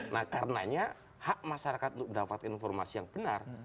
nah karenanya hak masyarakat untuk mendapatkan informasi yang benar